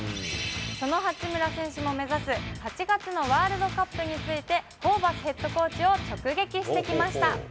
その八村選手も目指す８月のワールドカップについて、ホーバスヘッドコーチを直撃してきました。